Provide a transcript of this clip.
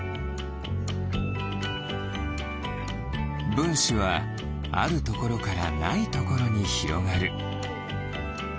ぶんしはあるところからないところにひろがる。